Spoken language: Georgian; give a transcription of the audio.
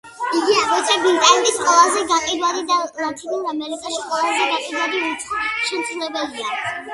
იგი აგრეთვე ბრიტანეთის ყველაზე გაყიდვადი და ლათინურ ამერიკაში ყველაზე გაყიდვადი უცხო შემსრულებელია.